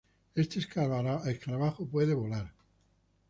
Este escarabajo puede volar.